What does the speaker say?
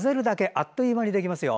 あっという間にできますよ。